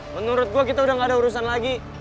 menurut gua kita udah gak ada urusan lagi